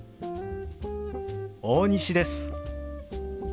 大西です。